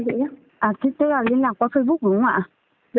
cho chị hỏi ví dụ như là phí thì là như thế nào ý